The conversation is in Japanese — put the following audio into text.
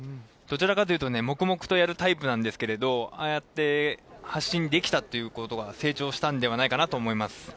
どちらかというと黙々とやるタイプなんですけれど、ああやって発信できたってことが成長したんではないかなと思います。